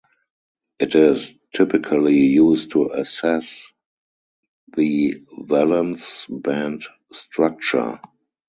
It is typically used to assess the valence band structure.